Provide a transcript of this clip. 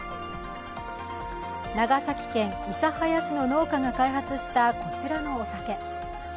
長崎県諫早市の農業が開発したこちらのお酒。